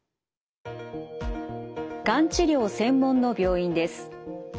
がん治療専門の病院です。